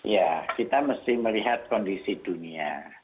ya kita mesti melihat kondisi dunia